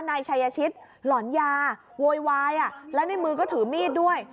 นายชัยชิตหลอนยาโวยวายแล้วในมือก็ถือมีดด้วย